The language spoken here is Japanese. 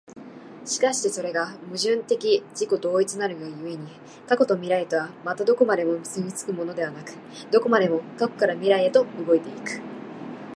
而してそれが矛盾的自己同一なるが故に、過去と未来とはまたどこまでも結び付くものでなく、どこまでも過去から未来へと動いて行く。